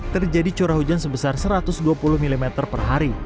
terjadi curah hujan sebesar satu ratus dua puluh mm per hari